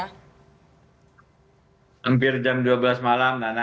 hampir jam dua belas malam nana